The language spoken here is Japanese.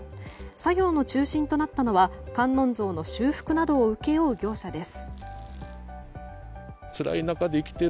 作業の中心となったのは観音像の修復などを請け負う業者です。